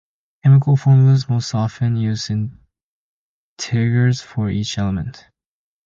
Chemical formulas most often use integers for each element.